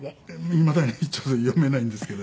いまだに読めないんですけど。